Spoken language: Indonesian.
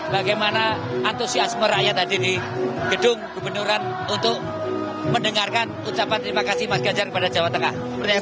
bagaimana antusiasme rakyat tadi di gedung gubernuran untuk mendengarkan ucapan terima kasih mas ganjar kepada jawa tengah